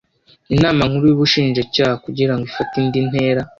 inama nkuru y ubushinjacyaha kugira ngo ifate indi ntera